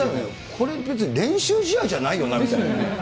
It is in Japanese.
これ、別に練習試合じゃないよなみたいな。ですよね。